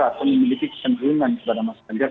atau memiliki kecenderungan kepada mas ganjar